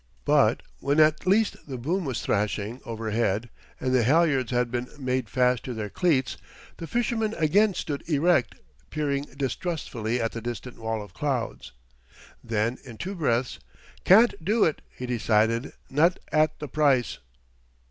But when at least the boom was thrashing overhead and the halyards had been made fast to their cleats, the fisherman again stood erect, peering distrustfully at the distant wall of cloud. Then, in two breaths: "Can't do it," he decided; "not at the price."